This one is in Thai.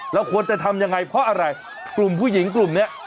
เราควรจะทำยังไงเพราะอะไรกลุ่มผู้หญิงกลุ่มนี้